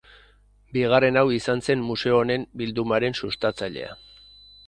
Bigarren hau izan zen museo honen bildumaren sustatzailea.